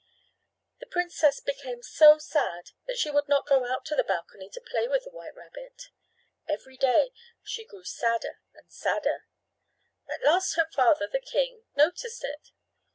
The princess became so sad that she would not go out to the balcony to play with the white rabbit. Every day she grew sadder and sadder. At last her father, the king, noticed it.